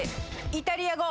イタリア語！